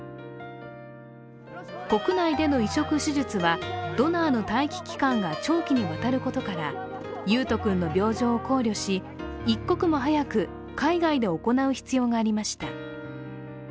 国内での移植手術はドナーの待機期間が長期にわたることから維斗君の病状を考慮し一刻も早く海外で行う必要がありました。